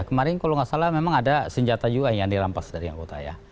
kemarin kalau nggak salah memang ada senjata juga yang dirampas dari anggota ya